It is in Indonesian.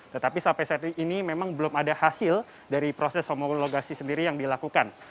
tetapi sampai saat ini memang belum ada hasil dari proses homologasi sendiri yang dilakukan